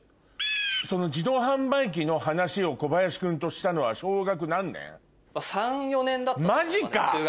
その自動販売機の話を小林君としたのは小学何年？だったと。マジか！